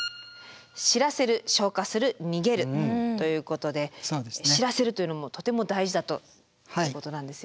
知らせる消火する逃げるということで知らせるというのもとても大事だということなんですよね。